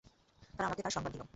তারা আমাকে তার সংবাদ দিল।